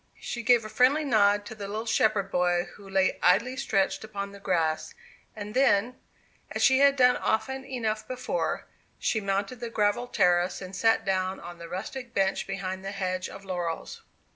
She gave a friendly nod to the little shepherd boy who lay idly stretched upon the grass. And then, as she had done often enough before, she mounted the gravelled terrace, and sat down on a rustic bench behind the hedge of laurels.